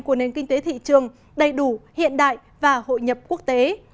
của nền kinh tế thị trường đầy đủ hiện đại và hội nhập quốc tế